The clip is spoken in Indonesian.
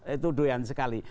itu doyan sekali